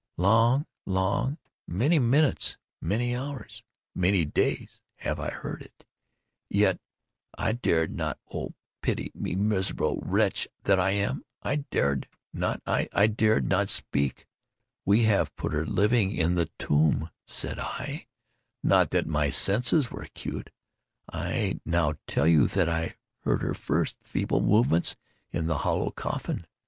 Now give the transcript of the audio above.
Long—long—long—many minutes, many hours, many days, have I heard it—yet I dared not—oh, pity me, miserable wretch that I am!—I dared not—I dared not speak! We have put her living in the tomb! Said I not that my senses were acute? I now tell you that I heard her first feeble movements in the hollow coffin.